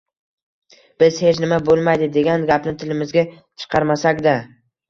biz «hech nima bo‘lmaydi» degan gapni tilimizga chiqarmasak-da